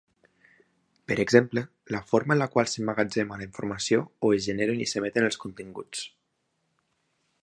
Per exemple, la forma en la qual s'emmagatzema la informació o es generen i s'emeten els continguts.